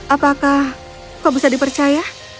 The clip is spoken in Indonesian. apakah kau bisa dipercaya